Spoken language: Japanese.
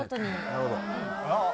なるほど。